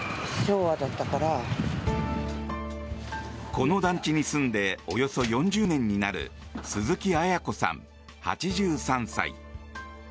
この団地に住んでおよそ４０年になる鈴木アヤ子さん、８３歳。